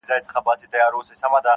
ما دفن کړه د دې کلي هدیره کي-